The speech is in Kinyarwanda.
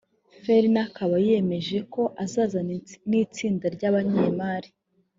fellner akaba yemeje ko azazana n’itsinda ry’abanyemari